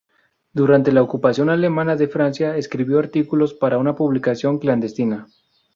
Durante la ocupación alemana de Francia escribió artículos para una publicación clandestina.